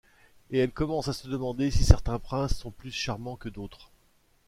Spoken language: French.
Et elle commence à se demander si certains princes sont plus charmants que d'autres.